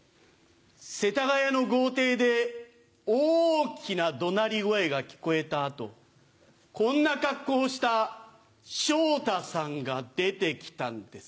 世田谷の豪邸で大きな怒鳴り声が聞こえた後こんな格好をした昇太さんが出て来たんです。